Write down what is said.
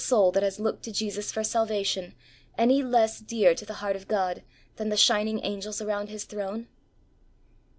soul that has looked to Jesus for salvation, any less dear to the heart of God than the shining angels around His throne